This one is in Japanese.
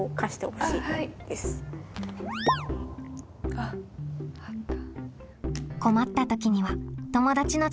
あっあった。